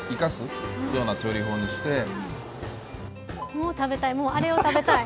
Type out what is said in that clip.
もう食べたい、あれを食べたい。